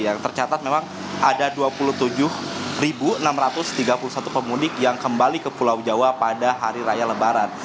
yang tercatat memang ada dua puluh tujuh enam ratus tiga puluh satu pemudik yang kembali ke pulau jawa pada hari raya lebaran